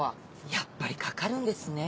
やっぱりかかるんですね。